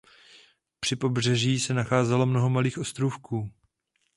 Při pobřeží se nachází mnoho malých ostrůvků.